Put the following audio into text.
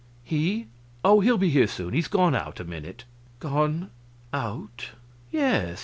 "He? Oh, he'll be here soon; he's gone out a minute." "Gone out?" "Yes.